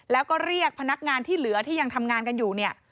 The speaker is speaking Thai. แล้วก็เรียกพนักงานที่เหลือที่ยังทำงานกันอยู่เนี่ย